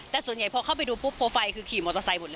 แต่ส่วนใหญ่พอเข้าไปดูปุ๊บโปรไฟล์คือขี่มอเตอร์ไซค์หมดเลย